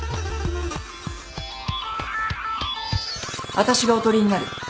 わたしがおとりになる。